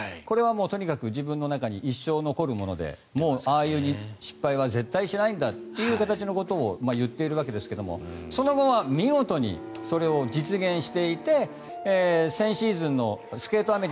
これはとにかく自分の中に一生残るものでもうああいう失敗は絶対しないんだという形のことを言っているわけですけどその後は見事にそれを実現していて先シーズンのスケート